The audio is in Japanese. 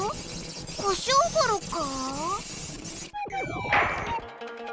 こしょうゴロか？